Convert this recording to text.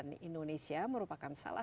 pembicaraéri harus tidak